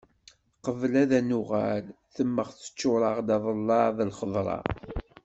Qbel ad d-nuɣal temmeɣ teččur-aɣ-d aḍellaɛ n lxeḍra.